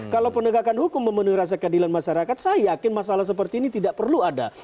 kalau penegakan hukum memenuhi rasa keadilan masyarakat saya yakin masalah seperti ini tidak perlu ada